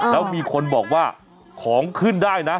แล้วมีคนบอกว่าของขึ้นได้นะ